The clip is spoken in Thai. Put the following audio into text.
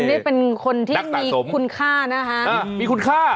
คุณนี่เป็นคนที่มีคุณค่านะฮะนักต่างสมมีคุณค่า